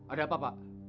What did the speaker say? ada apa pak